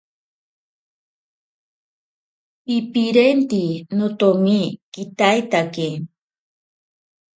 Pipirinte notomi kitaitake.